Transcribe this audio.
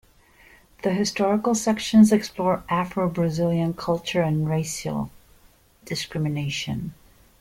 The historical sections explore Afro-Brazilian culture and racial discrimination.